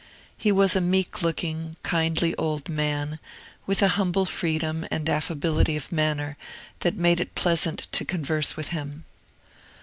He was a meek looking, kindly old man, with a humble freedom and affability of manner that made it pleasant to converse with him.